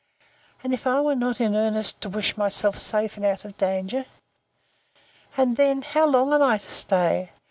And as if I was not in earnest to wish myself safe, and out of danger?—And then, how long am I to stay?